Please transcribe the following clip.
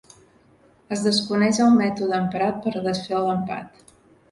Es desconeix el mètode emprat per desfer l'empat.